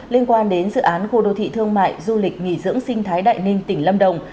liên quan đến dự án khu đô thị thương mại du lịch nghỉ dưỡng sinh thái đại ninh tỉnh lâm đồng